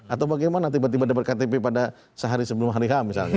atau bagaimana tiba tiba dapat ktp pada sehari sebelum hari h misalnya